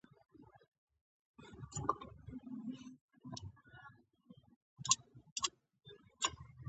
په لوستلو ارزي، دا تا له کومه ځایه راوړې دي؟